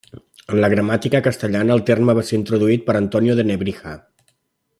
En la gramàtica castellana el terme va ser introduït per Antonio de Nebrija.